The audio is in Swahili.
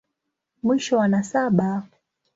Mwisho wa nasaba.